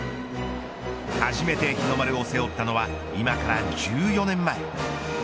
初めて日の丸を背負ったのは今から１４年前。